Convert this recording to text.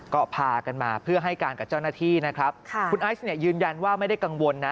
ก็พากันมาเพื่อให้การกับเจ้าหน้าที่นะครับค่ะคุณไอซ์เนี่ยยืนยันว่าไม่ได้กังวลนะ